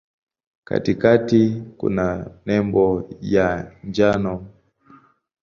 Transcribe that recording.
Katikati kuna nembo ya njano.